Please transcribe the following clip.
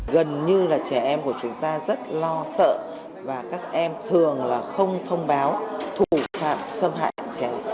gần như là trẻ em của chúng ta rất lo sợ và các em thường là không thông báo thủ phạm xâm hại trẻ